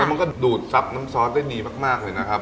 มันก็ดูดซับน้ำซอสได้ดีมากเลยนะครับ